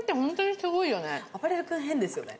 ああばれる君変ですよね